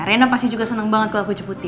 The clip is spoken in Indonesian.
rena pasti juga seneng banget kalau aku jemput ya